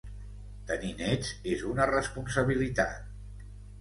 Tenir nets és una responsabilitat.